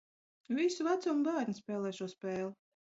Visu vecumu bērni spēlē šo spēli